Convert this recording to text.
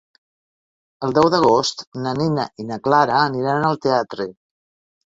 El deu d'agost na Nina i na Clara aniran al teatre.